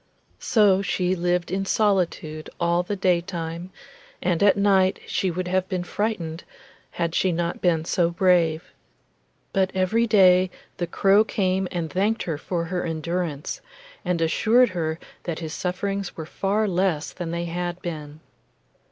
So she lived in solitude all the daytime, and at night she would have been frightened, had she not been so brave; but every day the crow came and thanked her for her endurance, and assured her that his sufferings were far less than they had been.